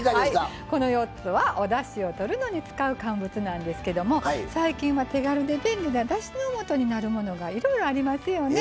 この４つはおだしをとるのに使う乾物なんですけど最近は手軽で便利なだしのもとになるものがいろいろありますよね。